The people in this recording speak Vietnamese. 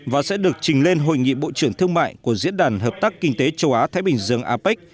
và sẽ được trình lên hội nghị bộ trưởng thương mại của diễn đàn hợp tác kinh tế châu á thái bình dương apec